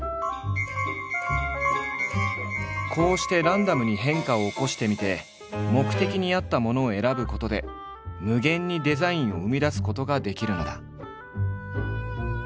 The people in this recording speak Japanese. こうしてランダムに変化を起こしてみて目的に合ったものを選ぶことで無限にデザインを生み出すことができるのだ。